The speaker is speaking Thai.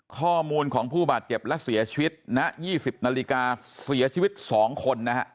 ข้อมูลของผู้บาดเจ็บและเสียชีวิตณ๒๐นาฬิกาเสียชีวิต๒คนนะฮะ